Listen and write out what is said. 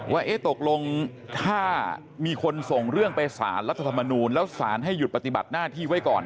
ว่าตกลงถ้ามีคนส่งเรื่องไปสารรัฐธรรมนูลแล้วสารให้หยุดปฏิบัติหน้าที่ไว้ก่อน